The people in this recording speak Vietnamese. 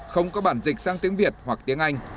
không có bản dịch sang tiếng việt hoặc tiếng anh